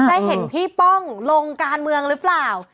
ได้เห็นพี่ป้องลงการเมืองหรือเปล่า